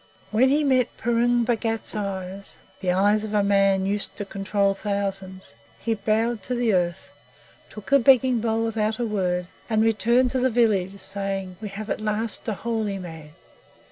When he met Purun Bhagat's eyes the eyes of a man used to control thousands he bowed to the earth, took the begging bowl without a word, and returned to the village, saying, "We have at last a holy man.